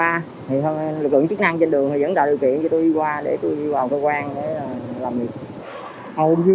lực lượng chức năng trên đường vẫn tạo điều kiện cho tôi đi qua